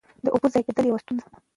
د اوبو ضایع کېدل یوه ستونزه ده.